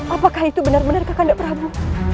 apakah itu benar benar kakinda prabu